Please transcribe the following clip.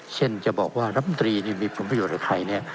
เช่นจะบอกว่ารับมนตรีมีคุมประโยชน์ในใครเนี่ย